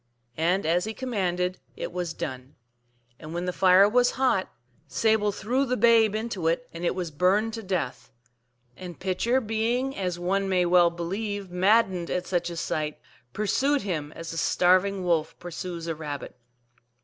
And as he commanded it was done ; and when the > fire was hot, Sable threw the babe into it, and it was j burned to death. And Pitcher, being, as one may well believe, maddened at such a sight, pursued him as a starving wolf pursues a rabbit.